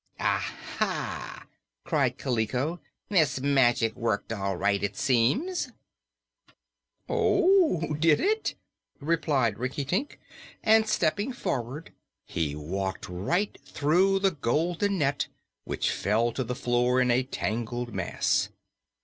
"Aha!" cried Kaliko; "this magic worked all right, it seems. "Oh, did it?" replied Rinkitink, and stepping forward he walked right through the golden net, which fell to the floor in a tangled mass.